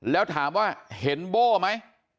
แล้วถามว่าเห็นโบ้ไหม